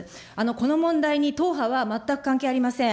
この問題に党派は全く関係ありません。